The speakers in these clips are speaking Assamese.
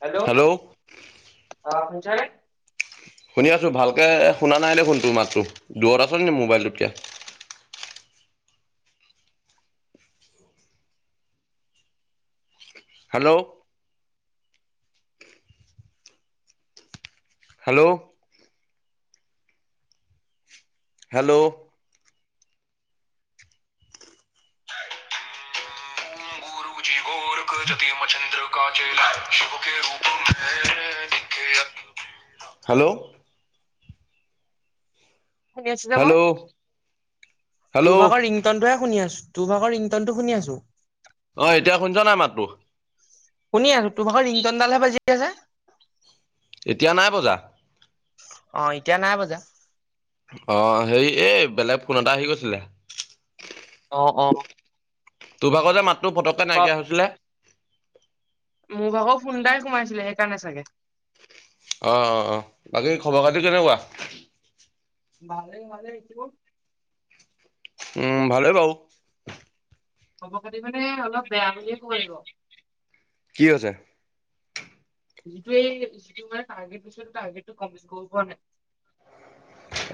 হেল্ল' অহ শুনিছনে? শুনি আছোঁ ভালকে শুনা নাই দেখোন তোৰ মাতটো দূৰত আছনি মোবাইলটোতকে? হেল্ল'। হেল্ল'। হেল্ল'। [unintelligible] হেল্ল'। শুনি আছো যে মই, হেল্ল' টো হেল্ল' ভাগৰ ৰিংটনটোহে শুনি আছো। তো ভাগৰ ৰিংটন টো শুনি আছো। অ'এতিয়া শুনছ নাই মাতটো? শুনি আছো টোভাগৰ ৰিংটনডালহে বাজি আছে। এতিয়া নাই বজা। অ' এতিয়া নাই বজা। অ' হেই এ বেলেগ ফোন এটা আহি গৈছিলে। অ', অ'। তোৰ ভাগৰ যে মাতটো পটককে ক নাইকিয়া হৈছিলে। মোৰ ভাগৰ ফোনএটায়ে সোমাইছিলে সেইকাৰণে চাগে। অ', অ', অ, বাকী খবৰ খাতি কেনেকুৱা? মানে, মানে এইটো উম, ভালেই বাও। খবৰ খাতি মানে, অলপ বেয়া বুলিয়ে ক'ব লাগিব। কি হৈছে? যিটোয়েই যিটো মানে টাৰ্গেট দিছিল, টাৰ্গেটটো কমপ্লিট কৰিব পৰা নাই।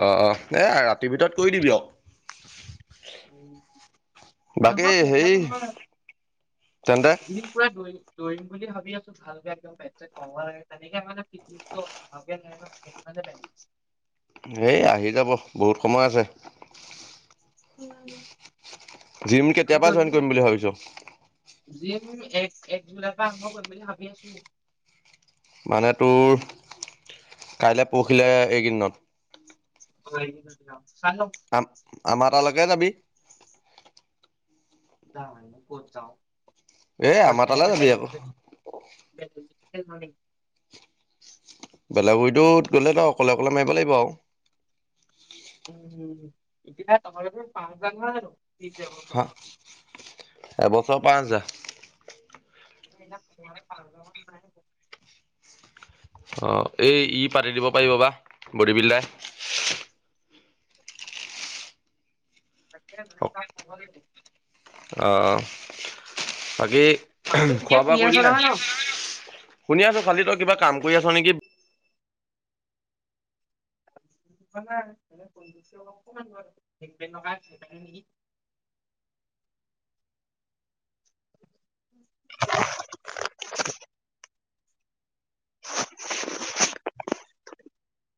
অ', অ', এ ৰাতিৰ ভিতৰত কৰি দিবি আও। উম নহয় ফেবিল হেৰি নহয় [unintelligible] তেন্তে কদিন প দু [unintelligible] দৰিম বুলি ভাবি আছো ভালকে একদম পেট কমাব লাগে তেনেকে মে [unintelligible] [unintelligible] এ আহি যাব বহুত সময় আছে। উ, জিম কেতিয়াপা জইন কৰিম বুলি ভাবিছ? জিম এক-এক জুলাইৰ পৰা আৰম্ভ কৰিম বুলি ভাবি আছো। মানে তোৰ কাইলে পৰহিলে এইকেইদিনত? [unintelligible] আম-আমাৰ তালৈকে যাবি? জানো ক'ত যাওঁ। এ, আমাৰ পইচাই তালৈ নাই যাবি আকৌ। বেলেগতে [unintelligible] বেলগুৰিটোত গ'লে আও অকলে, অকলে মাৰিব লাগিব আৰু উম, উম এতিয়া [unintelligible] পাঁচ হাজাৰ নহয় জানো? [unintelligible] শ পাঁচ হাজাৰ। [unintelligible] অ', এই ই পাতি দিব পাৰিব বা বডী বিল্ডাৰে। [unintelligible] অ', বাকী মাতটো ঠিকে খোৱা বোৱা শুনি কৰিলি আছা নে নহয় নাই, শুনি আছো খালি তই কিবা কাম কৰি আছ নেকি। [unintelligible] [inaudible] [inaudible] [inaudible]